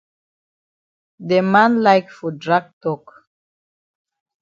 De man like for drag tok.